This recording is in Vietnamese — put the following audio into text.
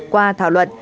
qua thảo luận